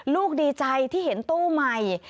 ดีใจที่เห็นตู้ใหม่